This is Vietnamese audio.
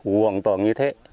hoàn toàn như thế